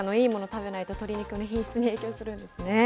食べないと鶏肉の品質に影響するんですね。